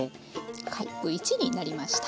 カップ１になりました。